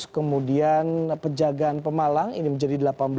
kemudian pejagaan pemalang ini menjadi rp delapan